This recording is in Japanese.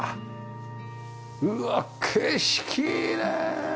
うわっ景色いいねえ！